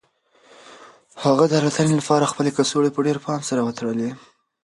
هغه د الوتنې لپاره خپلې کڅوړې په ډېر پام سره وتړلې.